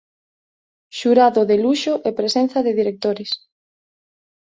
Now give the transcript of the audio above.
Xurado de luxo e presenza de directores